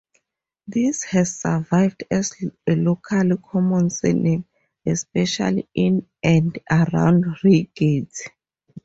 This has survived as a locally common surname, especially in and around Reigate.